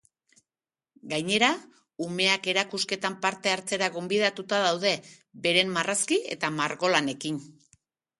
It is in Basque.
Gainera, umeak erakusketan parte hartzera gonbidatuta daude, beren marrazki eta margolanekin.